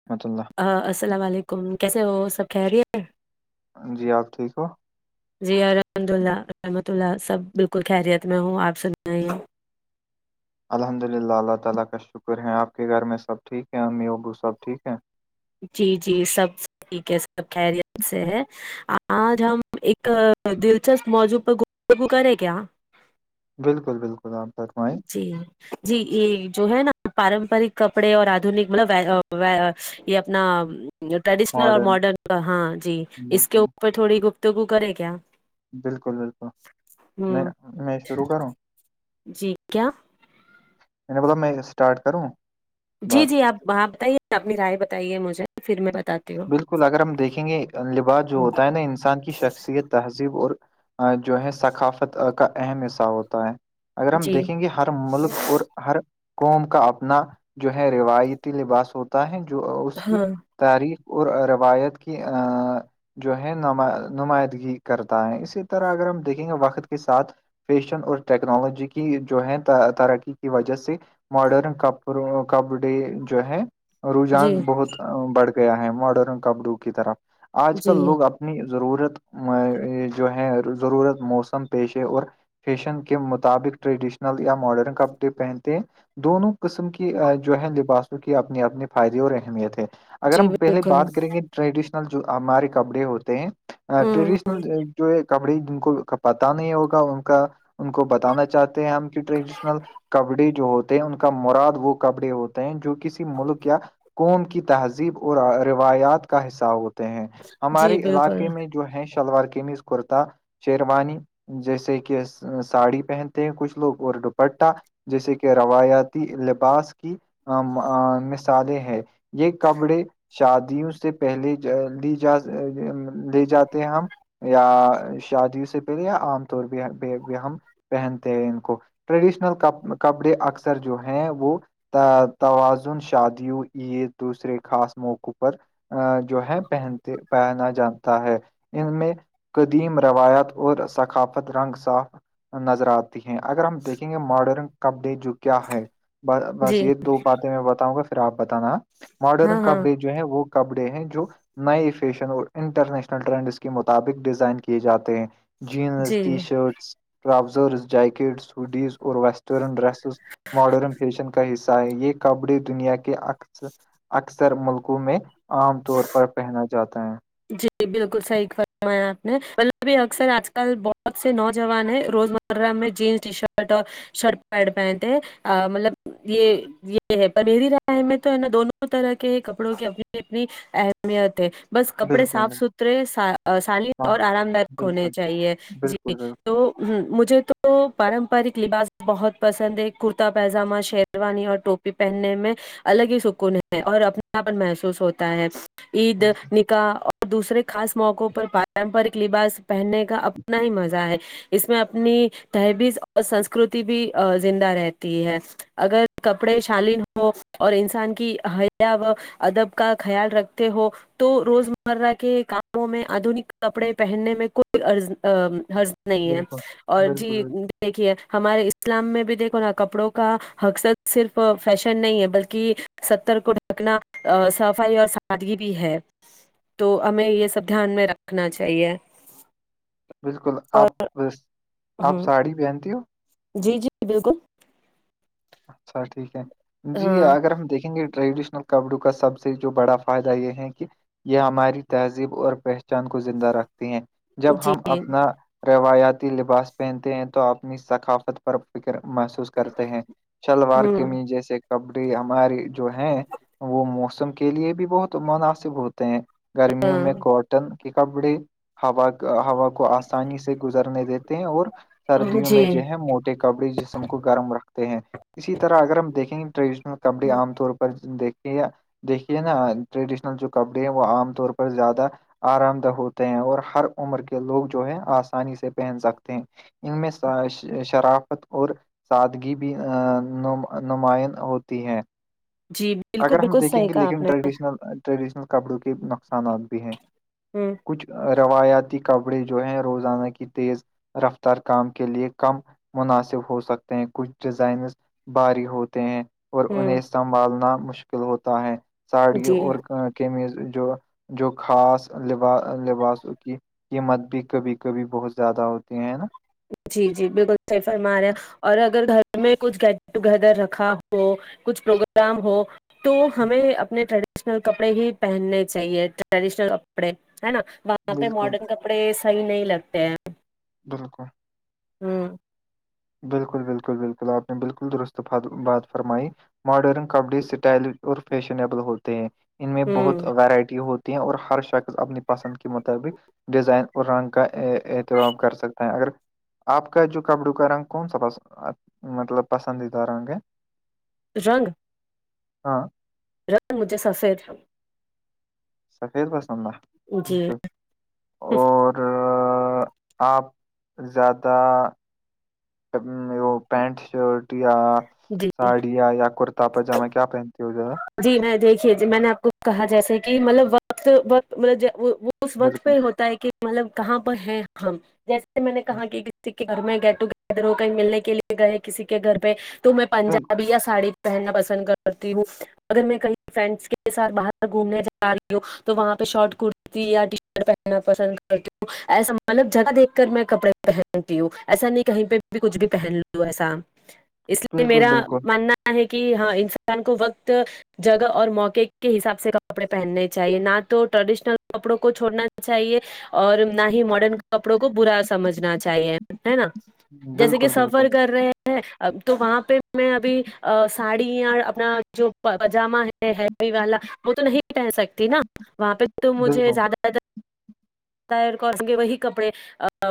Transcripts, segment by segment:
[unintelligible] السلام علیکم کیسے وہ سب خریت جی آپ ٹھیک ہو جی الحمد اللہ رحمت اللہ سب بالکل خیریت میں ہوں آپ سنائیے الحمد للہ اللہ تعالی کا شکر ہے آپ کے گھر میں سب ٹھیک ہے امی ابو سب ٹھیک ہیں جی جی سب ٹھیک ہے سب خریت سے ہے آج ہم ایک دلچسپ موضوع پر گفتگو کرے کیا بالکل بالکل آپ فرمائیں جی جی یے جو ہے نا پارمپرک کپڑے اور آدنک مطلب وے آ وے یے اپنا ٹریڈیشنل اور ماڈرن کا ہاں جی اس کے بالکل اوپر تھوڑی گفتگو کرے کیا بالکل بالکل میں ہوں میں شروع کروں جی کیا میں نے بولا میں اسٹارٹ کروں بات جی جی آپ وہاں بتائیے اپنی رائے بتائیے مجھے پھر میں بتاتی بالکل اگر ہم دیکھیں گے لباس جو ہوں ہوتا ہے نا انسان کی شخصیت تہذیب اور جو ہے ثقافت کا اہم حصہ ہوتا ہے اگر ہم جی دیکھیں گے ہر ملک اور ہر قوم کا اپنا جو ہے روایتی لباس ہوتا ہے جو اس کی ہاں تاریف اور روایت کی آ جو ہے نا نمائندگی کرتا ہے اسی طرح اگر ہم دیکھیں گے وقت کے ساتھ فیشن اور ٹیکنالوجی کی جو ہے ترقی کی وجہ سے ماڈرن کپ پرو کپ ڈے جو ہے جی رجحان بہت بڑھ گیا ہے ماڈرن کپڑوں کی طرف آج جی کل لوگ اپ نی ضرورت جو ہے ضرورت موسم پیشے اور فیشن کے مطابق ٹریڈیشنل یا ماڈرن کپڑے پہنتے ہیں دونوں قسم کی جو ہے لباسوں کی اپنے اپنے فائدے اور اہمیت ہے اگر جی ہم پہلے بالکل بات کریں گے ٹریڈیشنل جو ہمارے کپڑے ہوتے ہیں آ ہ ہ ٹریڈیشنل جو ہے کپڑی جن کو کا پتہ نہیں ہوگا ان کا ان کو بتانا چاہتے ہیں ہم کی ٹریڈیشنل کپڑے جو ہوتے ہیں ان کا مراد وہ کپڑے ہوتے ہیں جو کسی ملک یا قوم کی تہذیب اور روایات کا حصہ ہوتے ہیں جی ہمارے بالکل علاقے میں جو ہے شلوار قمیز کرتا شیروانی جیسے کہ ساڑی پہنتے ہیں کچھ لوگ اور دوپٹہ جیسے کہ روایتی لباس ام آ کی مثالیں ہیں یے کپڑے شادیوں سے پہلے دی جا دے جاتے ہیں ہم یا شادیوں سے پہلے یا عام طور پے ہم پہنتے ہیں ان کو ٹریڈیشنل کپڑے اکثر جو ہیں وہ تا توازن شادیوں عید دوسرے خاص موقعوں پر آ جو ہے پہنتے پہنا جانتا ہے ان میں قدیم روایات اور ثقافت رنگ صاف نظر آت ہیں اگر ہم دیکھیں گے ماڈرن کپ ڈے جو کیا ہے بس جی یے دو باتیں میں بتاؤں گا پھر آپ بتانا ہاں ماڈرن ہاں کپڑے جو ہے وہ کپڑے ہیں جو نئے فیشن اور انٹرنیشنل ٹرینڈس کے مطابق ڈیزائن کیے جاتے ہیں جینز ٹی جی شرٹس ٹرازرز جیکٹ سڈیز اور ویسٹرن ڈریس ماڈرن فیشن کا حصہ ہے یے کپڑے دنیا کے اکثر اکثر ملکوں میں عام طور پر پہنا جاتا ہے جی بالکل صحیح فرمایا آپ نے [unintelligible] ابھی اکثر آج کل بہت سے نوجوان ہیں روزمر جینس ٹی شرٹ اور شرٹ پینٹ پہنتے مطلب یے یے ہے پر میری رائے میں تو ہے نا دونوں طرح کے کپڑوں کی اپنی اپنی اہمیت ہے بس کپڑے بالکل صاف ستھرے سالین ہاں اور آرام دائک ہونے بالکل چاہیے جی بالکل بالکل تو مجھے تو پارمپرک لباس بہت پسند ہے کرتا پیجامہ شیر وانی اور ٹوپی پہننے میں الگ ہی سکون ہے اور اپناپن محسوس ہوتا ہے عید بالکل نک کا اور دوسرے خاص موقعوں پر پارمپرک لباس پہننے کا اپنا ہی مزہ ہے اس میں اپنی تہبیز اور سنسکرتی بھی زندہ رہتی ہے اگر کپڑے شالین ہو اور انسان کی حیا و ادب کا خیال رکھتے ہو تو روزمرہ کے کاموں میں آدھنک کپڑے پہنے میں کوئی عرض آ حرض نہیں ہے بالکل اور جی بالکل دیکھیے ہمارے اسلام میں بھی دیکھو نا کپڑوں کا حقصد صرف فیشن نہیں ہے بلکی ستر کو ڈھکنا صفائی اور سادگی بھی ہے تو ہمیں یے سب دھیان میں رکھنا چاہیے بالکل اور آپ آپ ہ ساڑی پہنتی ہو جی جی بالکل اچھا ٹھیک ہے جی ہاں اگر ہم دیکھیں گے ٹریڈیشنل کپڑوں کا سب سے جو بڑا فائدہ یے ہے کی یے ہماری تہذیب اور پہچان کو زندہ رکھتی ہیں جب جی ہم اپنا روایاتی لباس پہنتے ہیں تو اپنی ثقافت پر فکر محسوس کرتے ہیں شلوار ہوں قمیض جیسے کپڑے ہماری جو ہیں وہ موسم کے لیے بھی بہت مناسب ہوتے ہیں گرمیوں ہاں میں کاٹن کے کپڑے ہوا ہوا کو آسانی سے گز گزرنے دیتے ہیں اور سردیوں میں جی جو ہے موٹے کپڑے جسم کو گرم رکھتے ہیں اسی طرح اگر ہم دیکھیں گے ٹریڈیشنل کپڑے عام طور پر یے دیکھیے نا ٹریڈیشنل جو کپڑے ہیں وہ عام طور پر زیادہ آرام دہ ہوتے ہیں اور ہر عمر کے لوگ جو ہے آسانی سے پہن سکتے ہیں ان میں شرافت اور سادگی بھی آ نما نمائن ہوتی ہیں جی بالکل اگر ہم بالکل دیکھیں صحیح گے کہا آپ لیکن نے ٹریڈیشنل ٹریڈیشنل کپڑوں کے نقصانات بھی ہیں ہمم کچھ روایاتی کپڑے جو ہیں روزانہ کی تیز رفتار کام کے لے کم مناسب ہو سکتے ہیں کچھ ڈیزائنز بھاری ہوتے ہیں اور ہ انہیں سنبھالنا مشکل ہوتا ہے ساڑیوں جی اور خمیز جو جو خاص لابا لباسوں کی قیمت بھی کبھی کبھی بہت زیادہ ہوتی ہے نا جی جی بالکل صحیح فرما رہے ہے اور اگر گھر میں کچھ گٹ ٹوگیدر رکھا ہو ہو کچھ پروگرام ہو تو ہمیں اپنے ٹریڈ ٹرینل کپڑے ہی پہننے چاہیے ٹریڈشنل کپڑے ہے نا وہاں پے بالکل ماڈرن کپ ڑے صحیح نہیں لگتے ہیں بالکل ہمم بالکل بالکل بالکل آپ نے بالکل درست بھات بات فرمائی ماڈرن کپڑے اسٹائلش اور فیشنیبل ہوتے ہیں ان میں بہت ہ ورائٹی ہوتی ہیں اور ہر شخص اپنی پسند کے مطابق ڈیزائن اور رنگ کا اے ایتمام کر سکتے ہیں اگر آپ کا جو کپڑوں کا رنگ کون سا پس مطلب پسندیدہ رنگ ہے رنگ ہاں رنگ مجھے سفید سفید پسند ہے جی بالکل اور آ آپ زیادہ ابھی میں وہ پینٹ شرٹ یا جی ساڑی یا یا کر تا پجامے کیا پہنتی ہو زیادہ جی میں دیکھیے جی میں نے آپ کو کہا جیسے کہ مطلب وقت وت مطلب ج وہ وہ وقت بالکل، پہ ہوتا ہے کہ مطلب کہاں پر ہیں ہم جیسے میں نے کہا کہ کسی کے گھر میں گیٹ ٹوگیدر ہو کہیں ملنے کے لیے گئے کسی کے گھر پہ تو میں بالکل۔ پنجابی یا ساڑی پہننا پسند کرتی ہوں اگر میں کہیں فرینڈس کے ساتھ باہر گھومنے جا رہی ہوں تو وہاں پہ شارٹ کرتی یا ٹی شرٹ پہننا پسند کرتی ہوں ایسا مطلب جگہ دیکھ کر میں کپڑے پہنتی ہوں ایسا نہیں کہیں پہ بھی کچھ بھی پہن لو ایسا اس لیے بالکل میرا بالکل ماننا ہے کہ ہاں انسان کو وقت جگہ اور موقع کے حساب سے کپڑے پہننے چاہیے نہ تو ٹریڈیشنل کپڑوں کو چھوڑنا چاہیے اور نہ ہی ماڈرن کپڑوں کو برا سمجھنا چاہیے ہے نا جیسے کہ بالکل سفر بالکل کر رہے ہیں اب تو وہاں پہ میں ابھی ا ساڑی یا اپنا جو پجامہ ہے ہیوی والا وہ تو نہیں پہن سکتی نا وہاں پہ تو مجھے بالکل زیادہ [unintelligible] پھر کاٹن کے وہی کپڑے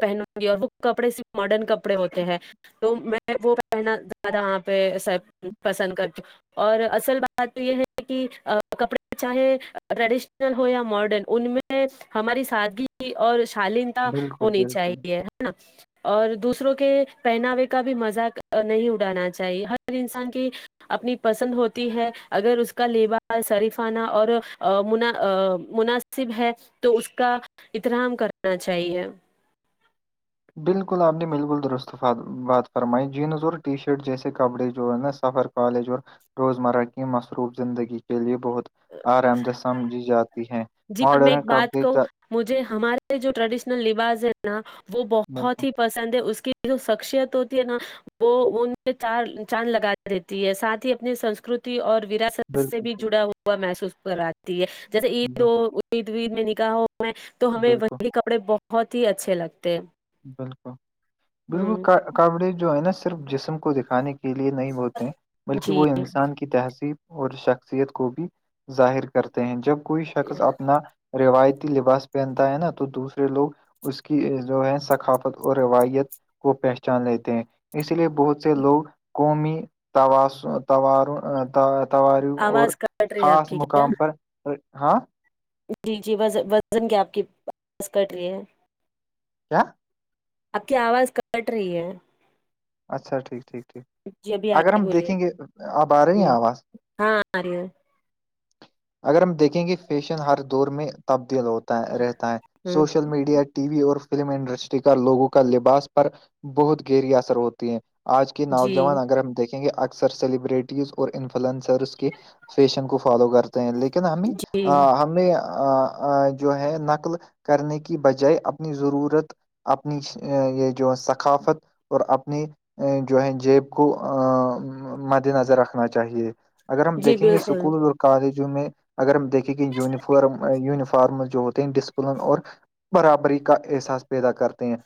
پہنوں گی اور وہ کپڑے صرف ماڈرن کپڑے ہوتے ہیں تو میں وہ پہنا زیادہ وہاں پہ سب پسند کرتی ہوں اور اصل بات یہ ہے کہ ا کپڑے چاہے ٹریڈیشنل ہو یا ماڈرن ان میں ہماری سادگی اور شالینتا بالکل ہونی بالکل چاہیے ہے نا اور دوسروں کے پہناوے کا بھی مزاہ نہیں اڑانا چاہیے ہر انسان کی اپنی پسند ہوتی ہے اگر اس کا لباس شریفانہ اور ا مناسب ہے تو اس کا احترام کرنا چاہیے بالکل آپ نے بالکل درست بات فرمائی جینز اور ٹی شرٹ جیسے کپڑے جو ہے نا سفر کالج اور روزمرہ کی مصروف زندگی کے لیے بہت آرام دہ سمجھی جاتی ہے جی پر میں ماڈرن ایک بات کپڑے کہوں مجھے ہمارے جو ٹریڈیشنل لباس ہے نا وہ بہت بالکل ہی پ سند ہے اس کی جو شخصیت ہوتی ہے نا وہ ان میں چار چاند لگاتی دیتی ہے ساتھ ہی اپنی سنسکرتی اور ورا ست سے بالکل بھی جڑا ہوا محسوس کراتی ہے جیسے عید بالکل ہو عید وید میں نکاح وں میں تو ہمیں بالکل وہی کپڑے بہت ہی اچھے لگتے بالکل بالکل ہ ک کپڑے جو ہے نا صرف جسم کو دیکھانے کے لیے نہیں ہوتے بلکہ وہ جی انسان کی تہذیب اور شخصیت کو بھی ظاہر کرتے ہیں جب کوئی شخص اپنا روایتی لباس پہنتا ہے نا تو دوسرے لوگ اس کی جو ہے ثقافت اور روایت کو پہچان لیتے ہیں اس لیے بہت سے لوگ قومی تاسو توروں اطاعت تہواروں اور آواز کٹ رہی ہے آپ خاص کی کیا مقام پر ر ہاں جی جی وزن وزن کیا آپ کی آواز کٹ رہی ہے کیا آپ کی آواز کٹ رہی ہے اچھا ٹھیک ٹھیک ٹھیک جی ابھی آئے ہم بولیے دیکھیں گے ا ب آری ہ ہے آواز ہاں آ رہی ہے اگر ہم دیکھیں گے فیشن ہر دور میں تبدیل ہوتا ہے رہتا ہے ہ سوشل میڈیا ٹی وی اور فلم انڈسٹری کا لوگوں کا لباس پر بہت گہری اثر ہوتی ہے آج کے جی نوجوان اگر ہم دیکھیں گے سب سلیبریٹیز اور انفلوئنسر کے فیشن کو فالو کر تے ہیں لیکن ہمیں جی ہمیں ا ا جو ہے نقل کرنے کی بجائے اپنی ضرورت اپنی چ ہ یہ جو ثقافت اور اپنی ا جو ہے جیب کو ا مد نظر رکھنا چاہیے اگر ہم جی دیکھیں گے بالکل اسکول کالجوں میں اگر ہم دیکھیں کہ یونیفارم یونیفارم جو ہوتے ہیں ڈسپلن اور برابری کا احساس پیدا کرتے ہیں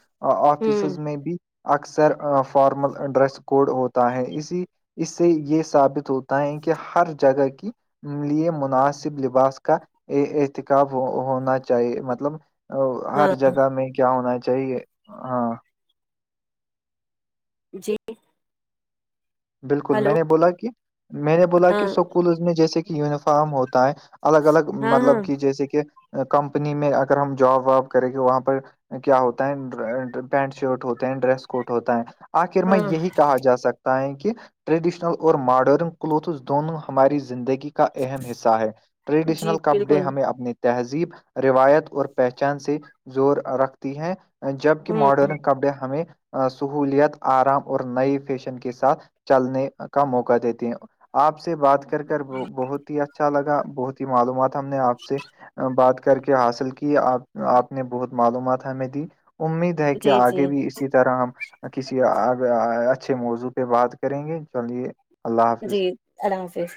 ہوں آفسیس میں بھی اکثر اف فارمل ڈریس کوڈ ہوتا ہے اسی اس سے یہ ثابت ہوتا ہے کہ ہر جگہ کی لیے مناسب لباس کا ی انتخاب ہ ہونا چاہیے مطلب ہاں ہر جگہ میں کیا ہونا چاہیے ہاں جی بالکل میں ہلو نے بولا کہ میں نے بولا ہاں کہ اسکولز میں جیسے کہ یونیفارم ہوتا ہے الگ الگ ہاں ہاں مطلب کہ جیسے کہ کمپنی میں اگر ہم جاب واب کریں گے وہاں پر کیا ہوتا ہے ڈر پینٹ شرٹ ہوتے ہیں ڈریس کوڈ ہوتا ہے آخر میں ہاں یہی کہا جا سکتا ہے ٹریڈیشنل اور ماڈرن کلوتھز دونوں ہماری زندگی کا اہم حصہ ہے جی ٹریڈیشنل کپڑے بالکل ہمیں اپنے تہذیب روایت اور پہچان سے زور رکھتی ہے جبک ہ ماڈرن کپڑے ہمیں سہولیت آرام اور نئے فیشن کے ساتھ چلنے کا موقع دیتے ہیں آپ سے بات کر کر بہت ہی اچھ ا لگا بہت ہی معلومات ہم نے آپ سے بات کر کے حاصل کی آپ آپ نے بہت معلومات ہمیں دی امید ہے کہ جی آگے جی بھی اسی طرح ہم کسی ا اچھے موضوع پہ بات کریں گے چلیے اللہ حافظ جی اللہ حافظ